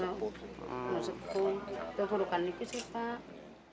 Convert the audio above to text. itu perlu kan ngeri sih pak